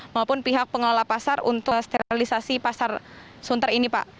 maupun pihak pengelola pasar untuk sterilisasi pasar sunter ini pak